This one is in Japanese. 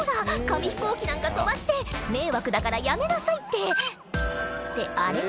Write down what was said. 紙飛行機なんか飛ばして迷惑だからやめなさいってってあれ？